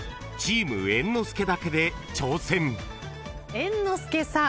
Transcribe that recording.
猿之助さん。